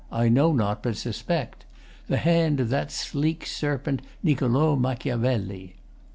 I know not, but suspect | The hand of that sleek serpent Niccolo | Machiavelli.